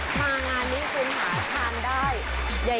มางานนี้คุณหาทานได้